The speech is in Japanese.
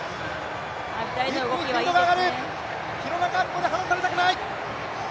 廣中、ここで離されたくない。